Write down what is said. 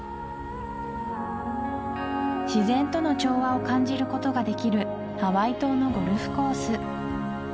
自然との調和を感じることができるハワイ島のゴルフコース